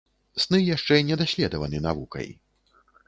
Сны яшчэ не даследаваны навукай.